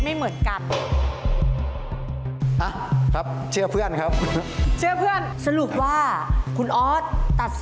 รีลาแก่เด็ดรีลา